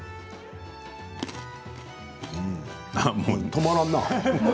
止まらんな。